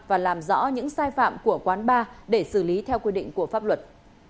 và làm rõ những sai phạm của quán bar để xử lý theo quy định của pháp luật